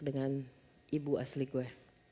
dengan ibu asli gue